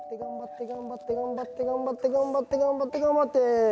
頑張って頑張って頑張って頑張って頑張って頑張って。